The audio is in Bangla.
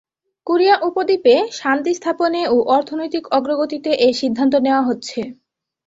কোরিয়া উপদ্বীপে শান্তি স্থাপনে ও অর্থনৈতিক অগ্রগতিতে এ সিদ্ধান্ত নেওয়া হচ্ছে।